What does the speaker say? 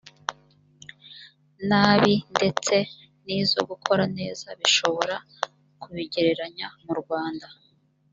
nabi ndetse n izo gukora neza bashobora kubigereranya mu rwanda